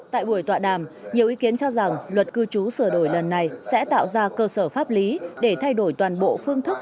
tại buổi tọa đàm nhiều ý kiến cho rằng luật cư trú sửa đổi lần này sẽ tạo ra cơ sở pháp lý để thay đổi toàn bộ phương thức